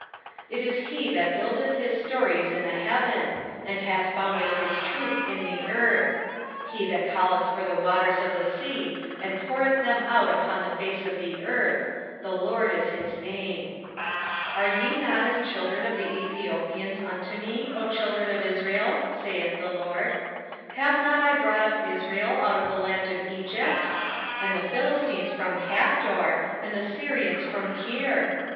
9:6 It is he that buildeth his stories in the heaven, and hath founded his troop in the earth; he that calleth for the waters of the sea, and poureth them out upon the face of the earth: The LORD is his name. 9:7 Are ye not as children of the Ethiopians unto me, O children of Israel? saith the LORD. Have not I brought up Israel out of the land of Egypt? and the Philistines from Caphtor, and the Syrians from Kir?